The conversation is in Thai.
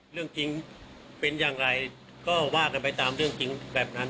เรื่องจริงเป็นอย่างไรก็ว่ากันไปตามเรื่องจริงแบบนั้น